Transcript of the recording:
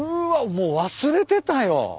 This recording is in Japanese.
もう忘れてたよ。